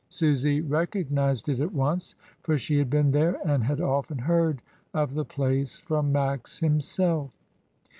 Susy re cognised it at once, for she had been there and had often heard of the place from Max himself.